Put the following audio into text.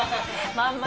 まんま。